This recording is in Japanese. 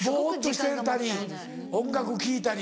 ぼっとしてたり音楽聴いたり。